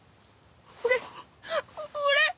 俺俺。